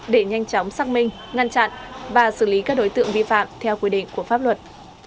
để nhanh chóng xác minh ngăn chặn và xử lý các đối tượng vi phạm theo quy định của pháp luật